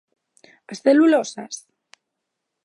As celulosas?